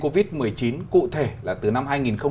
covid một mươi chín cụ thể là từ năm